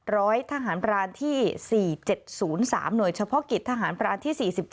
ร้อยทหารพรานที่๔๗๐๓หน่วยเฉพาะกิจทหารพรานที่๔๗